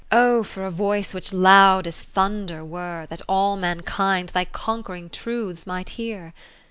20 Oh for a voice which loud as thunder were. That all mankind thy conqu'ring truths might hear